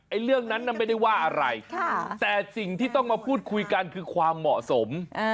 เรื่องนั้นน่ะไม่ได้ว่าอะไรแต่สิ่งที่ต้องมาพูดคุยกันคือความเหมาะสม